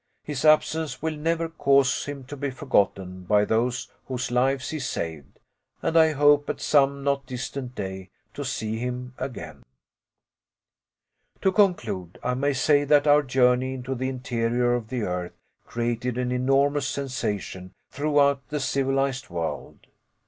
His absence will never cause him to be forgotten by those whose lives he saved, and I hope, at some not distant day, to see him again. To conclude, I may say that our journey into the interior of the earth created an enormous sensation throughout the civilized world.